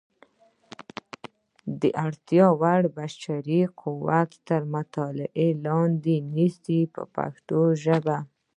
د اړتیا وړ بشري قوت تر مطالعې لاندې نیسي په پښتو ژبه.